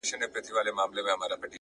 يو خوا يې توره سي تياره ښكاريږي ـ